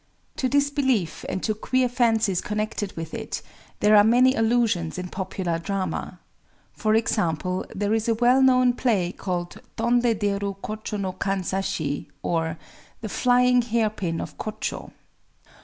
To this belief, and to queer fancies connected with it, there are many allusions in popular drama. For example, there is a well known play called Tondé déru Kochō no Kanzashi; or, "The Flying Hairpin of Kochō."